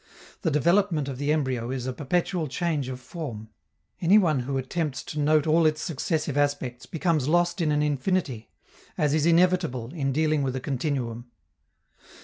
The development of the embryo is a perpetual change of form. Any one who attempts to note all its successive aspects becomes lost in an infinity, as is inevitable in dealing with a continuum.